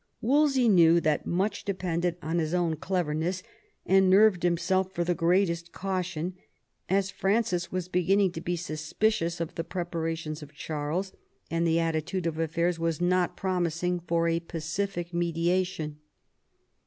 Wolsey knew that much depended on his own cleverness, and nerved himself for the greatest caution, as Francis was beginning to be suspicious of the preparations of Charles, and the attitude of affairs was not promising for a pacific mediation.